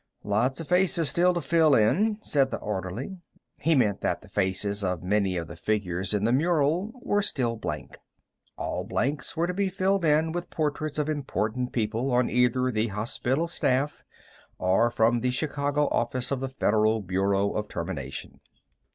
"Lot of faces still to fill in," said the orderly. He meant that the faces of many of the figures in the mural were still blank. All blanks were to be filled with portraits of important people on either the hospital staff or from the Chicago Office of the Federal Bureau of Termination.